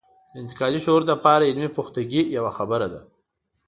د انتقادي شعور لپاره علمي پختګي یوه خبره ده.